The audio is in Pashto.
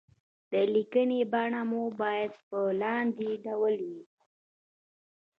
د ليکنې بڼه مو بايد په لاندې ډول وي.